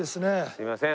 すいません。